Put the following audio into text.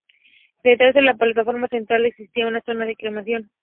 Detrás de la plataforma central existía una zona de cremación.